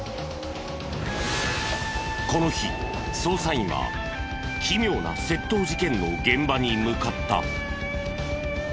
この日捜査員は奇妙な窃盗事件の現場に向かった。